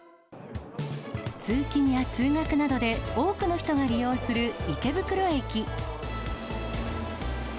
通勤や通学などで多くの人が利用する池袋駅。